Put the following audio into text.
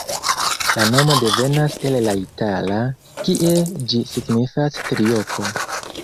La nomo devenas el la itala, kie ĝi signifas triopo.